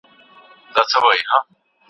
د نرمغالي مابينځ کي مي خپلي کيسې ولیکلې.